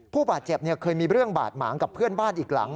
ผู้บาดเจ็บเคยมีเรื่องบาดหมางกับเพื่อนบ้านอีกหลัง